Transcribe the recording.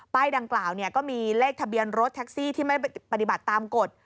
ดังกล่าวก็มีเลขทะเบียนรถแท็กซี่ที่ไม่ปฏิบัติตามกฎ